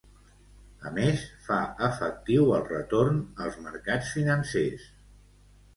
A més, fa efectiu el retorn als mercats financers.